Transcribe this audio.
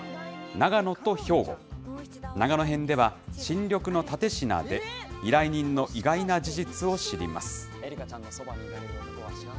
長野編では、新緑の蓼科で依頼人の意外な事実を知ります。